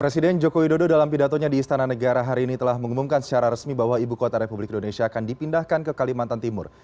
presiden jokowi dodo dalam pidatonya di istana negara hari ini telah mengumumkan secara resmi bahwa ibu kota republik indonesia akan dipindahkan ke kalimantan timur